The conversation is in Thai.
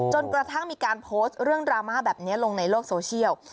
จนกระทั่งมีการโพสต์เรื่องดราม่าแบบนี้ลงในโลกโซเชียล